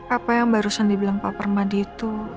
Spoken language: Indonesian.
apa yang barusan dibilang pak permadi itu